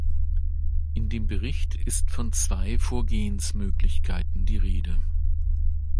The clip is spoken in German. In dem Bericht ist von zwei Vorgehensmöglichkeiten die Rede.